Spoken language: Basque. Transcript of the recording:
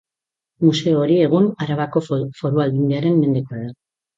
Museo hori, egun, Arabako Foru Aldundiaren mendekoa da.